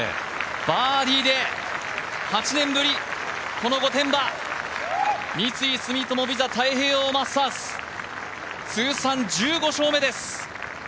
バーディーで８年ぶり、この御殿場、三井住友ＶＩＳＡ太平洋マスターズ通算１５勝目です！